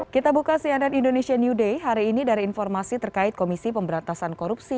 kita buka cnn indonesia new day hari ini dari informasi terkait komisi pemberantasan korupsi